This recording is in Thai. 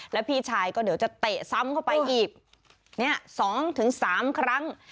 แล้วพี่ชายก็เดี๋ยวจะเตะซ้ำเข้าไปอีก๒๓ครั้ง